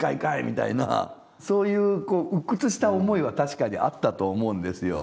みたいなそういう鬱屈した思いは確かにあったと思うんですよ。